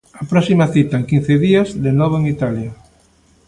A próxima cita, en quince días, de novo en Italia.